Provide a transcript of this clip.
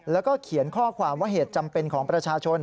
แล้วก็เขียนข้อความว่าเหตุจำเป็นของประชาชน